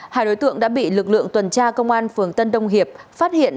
hai đối tượng đã bị lực lượng tuần tra công an phường tân đông hiệp phát hiện